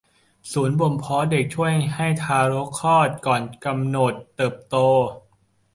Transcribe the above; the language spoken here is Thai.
ศูนย์บ่มเพาะเด็กช่วยให้ทารกคลอดก่อนกำหนดเติบโต